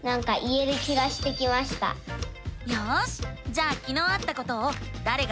よしじゃあきのうあったことを「だれが」